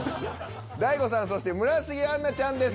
ＤＡＩＧＯさんそして村重杏奈ちゃんです。